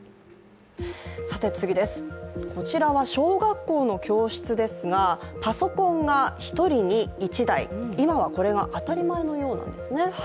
こちらは小学校の教室ですが、パソコンが１人に１台、今は、これが当たり前のようなんですね。